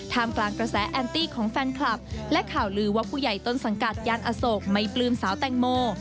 กลางกระแสแอนตี้ของแฟนคลับและข่าวลือว่าผู้ใหญ่ต้นสังกัดยานอโศกไม่ปลื้มสาวแตงโม